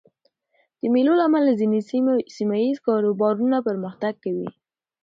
د مېلو له امله ځيني سیمه ییز کاروبارونه پرمختګ کوي.